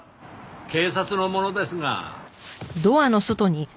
警察の者ですが。